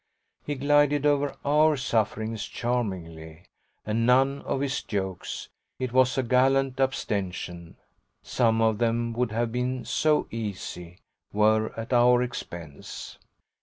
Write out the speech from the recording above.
He glided over OUR sufferings charmingly, and none of his jokes it was a gallant abstention, some of them would have been so easy were at our expense.